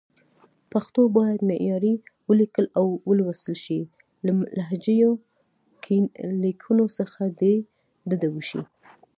پښتو باید معیاري ولیکل او ولوستل شي، له لهجوي لیکنو څخه دې ډډه وشي.